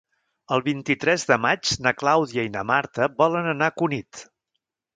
El vint-i-tres de maig na Clàudia i na Marta volen anar a Cunit.